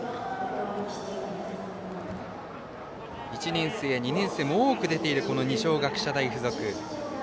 １年生や２年生も多く出ている二松学舎大付属。